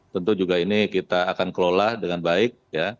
tentu juga ini kita akan kelola dengan baik